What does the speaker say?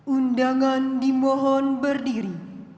undangan dimohon berdiri